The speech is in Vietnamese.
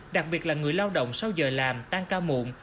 đặc biệt là người lao động sau giờ làm tăng ca muộn